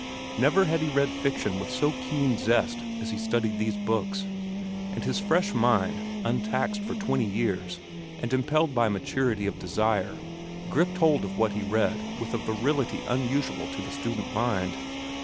Never had he read fiction with so keen zest as he studied these books. And his fresh mind, untaxed for twenty years and impelled by maturity of desire, gripped hold of what he read with a virility unusual to the student mind.